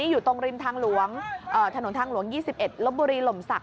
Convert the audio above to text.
อยู่ตรงริมทางถนนทางหลวง๒๑ลบบุรีหล่มศักด